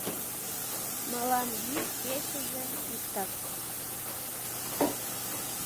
Мылам йӱд-кечыже — иктак.